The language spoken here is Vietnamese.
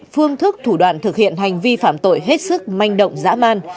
phương thức thủ đoạn thực hiện hành vi phạm tội hết sức manh động dã man